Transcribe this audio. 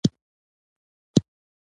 غاښونه به نور نه سوري کېږي؟